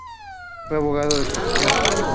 Fue abogado de profesión.